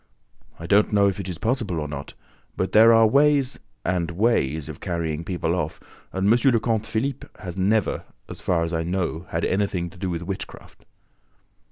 "I don't know if it is possible or not; but there are ways and ways of carrying people off; and M. le Comte Philippe has never, as far as I know, had anything to do with witchcraft."